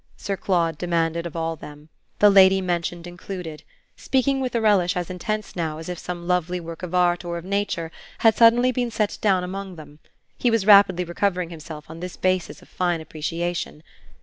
Sir Claude demanded of all of them, the lady mentioned included; speaking with a relish as intense now as if some lovely work of art or of nature had suddenly been set down among them. He was rapidly recovering himself on this basis of fine appreciation.